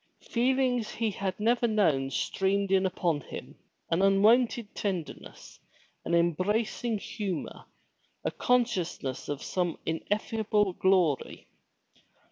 Feelings he had never known streamed in upon him, an unwonted tenderness, an em bracing humor, a consciousness of some ineffable glory.